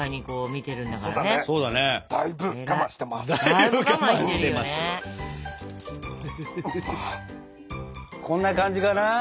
こんな感じかな？